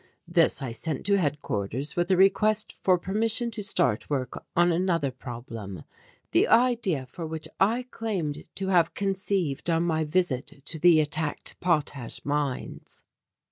This I sent to headquarters with a request for permission to start work on another problem, the idea for which I claimed to have conceived on my visit to the attacked potash mines.